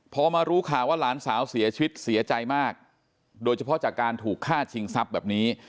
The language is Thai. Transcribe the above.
พอมารู้ข่าวว่าหลานสาวเสียชีวิตเสียใจมากโดยเฉพาะจากการถูกฆ่าชิงทรัพย์แบบนี้